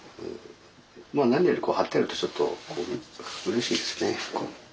まあ何よりこう貼ってあるとちょっとうれしいですね。